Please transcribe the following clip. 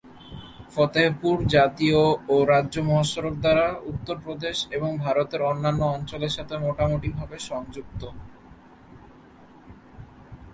ফতেহপুর জাতীয় ও রাজ্য মহাসড়ক দ্বারা উত্তর প্রদেশ এবং ভারতের অন্যান্য অঞ্চলের সাথে মোটামুটিভাবে সংযুক্ত।